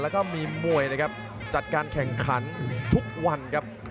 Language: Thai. แล้วก็มีมวยนะครับจัดการแข่งขันทุกวันครับ